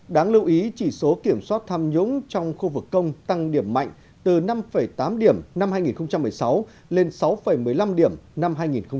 đáng lưu ý chỉ số kiểm soát tham nhũng trong khu vực công tăng điểm mạnh từ năm tám điểm năm hai nghìn một mươi sáu lên sáu một mươi năm điểm năm hai nghìn một mươi tám